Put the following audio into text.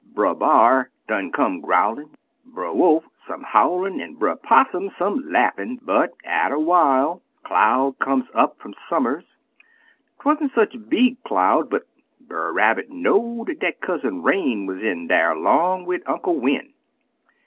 Brer B'ar done some growlin'; Brer Wolf some howlin' an' Brer Possum some laughin'; but atter while a cloud come up fum some'rs. 'Twant sech a big cloud, but Brer Rabbit know'd dat Cousin Rain wuz in dar 'long wid Uncle Win'.